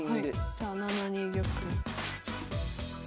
じゃあ７二玉。